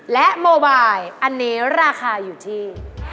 และโมบายอันนี้ราคาอยู่ที่